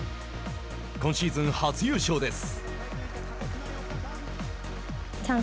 今シーズン初優勝です。